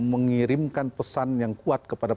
mengirimkan pesan yang kuat kepada